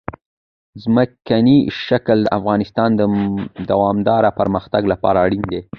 ځمکنی شکل د افغانستان د دوامداره پرمختګ لپاره اړین دي.